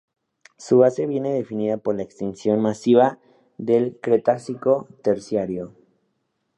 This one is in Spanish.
Su base viene definida por la Extinción masiva del Cretácico-Terciario.